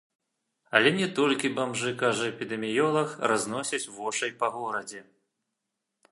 Але не толькі бамжы, кажа эпідэміёлаг, разносяць вошай па горадзе.